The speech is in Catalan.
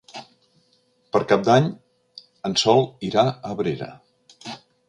Per Cap d'Any en Sol irà a Abrera.